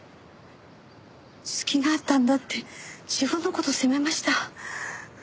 隙があったんだって自分の事責めました。